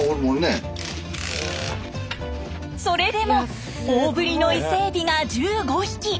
それでも大ぶりのイセエビが１５匹。